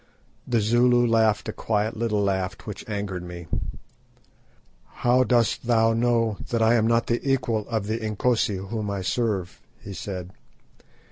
The Zulu laughed a quiet little laugh which angered me. "How dost thou know that I am not the equal of the Inkosi whom I serve?" he said.